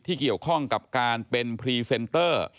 เกี่ยวข้องกับการเป็นพรีเซนเตอร์